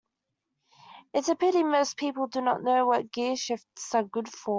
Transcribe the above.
It's a pity most people do not know what gearshifts are good for.